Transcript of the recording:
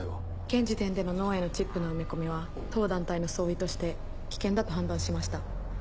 現時点での脳へのチップの埋め込みは当団体の総意として危険だと判断しました。